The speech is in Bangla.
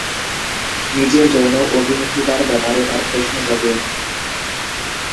নিজের যৌন অভিমুখিতার ব্যাপারে তার প্রশ্ন জাগে।